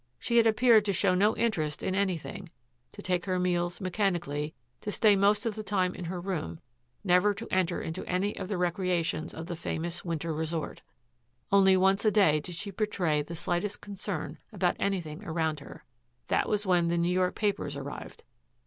She had appeared to show no interest in anything, to take her meals mechanically, to stay most of the time in her room, never to enter into any of the recreations of the famous winter resort. Only once a day did she betray the slightest concern about anything around her. That was when the New York papers arrived.